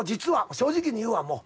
正直に言うわもう。